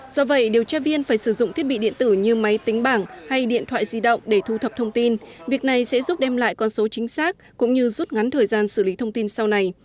do vậy điều tra viên phải sử dụng thiết bị điện tử như máy tính bảng hay điện thoại di động để thu thập thông tin việc này sẽ giúp đem lại con số chính xác cũng như rút ngắn thời gian xử lý thông tin sau này